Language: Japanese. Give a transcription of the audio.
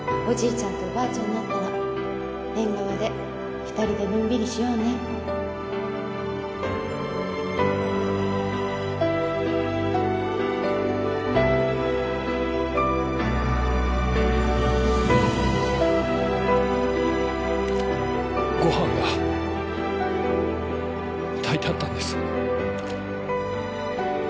ちゃんとおばあちゃんになったら縁側で２人でのんびりしようねご飯が炊いてあったんです。